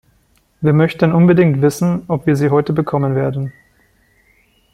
Wir möchten unbedingt wissen, ob wir sie heute bekommen werden.